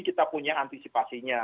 kita punya antisipasinya